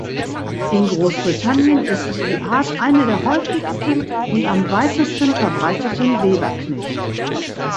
In Großbritannien ist die Art eine der häufigsten und am weitesten verbreiteten Weberknechte.